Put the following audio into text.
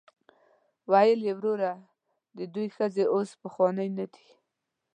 ویل یې وروره د دوی ښځې اوس پخوانۍ نه دي.